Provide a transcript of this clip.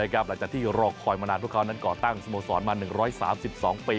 หลังจากที่รอคอยมานานพวกเขานั้นก่อตั้งสโมสรมา๑๓๒ปี